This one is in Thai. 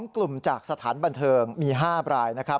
๒กลุ่มจากสถานบันเทิงมี๕รายนะครับ